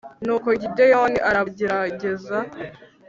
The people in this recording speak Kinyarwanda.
nuko gideyoni arabagerageza